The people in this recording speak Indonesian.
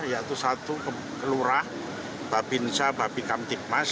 yaitu satu kelurah babinsa babi kamtikmas